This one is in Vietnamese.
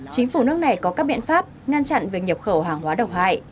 chính phủ nước này có các biện pháp ngăn chặn việc nhập khẩu hàng hóa độc hại